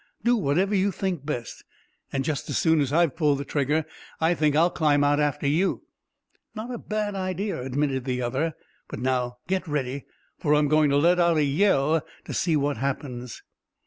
Do whatever you think best. And just as soon as I've pulled the trigger I think I'll climb out after you." "Not a bad idea," admitted the other; "but now get ready, for I'm going to let out a yell to see what happens."